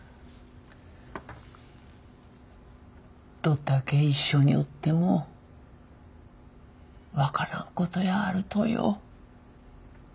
どっだけ一緒におっても分からんことやあるとよ。